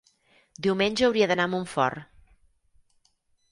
Diumenge hauria d'anar a Montfort.